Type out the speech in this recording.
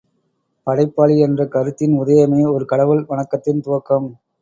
படைப்பாளி என்ற கருத்தின் உதயமே, ஒரு கடவுள் வணக்கத்தின் துவக்கம்.